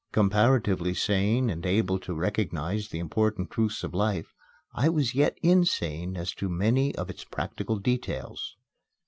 Comparatively sane and able to recognize the important truths of life, I was yet insane as to many of its practical details.